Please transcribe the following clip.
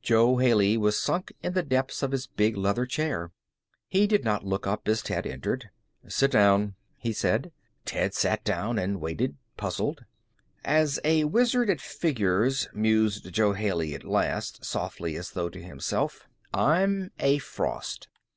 Jo Haley was sunk in the depths of his big leather chair. He did not look up as Ted entered. "Sit down," he said. Ted sat down and waited, puzzled. "As a wizard at figures," mused Jo Haley at last, softly as though to himself, "I'm a frost.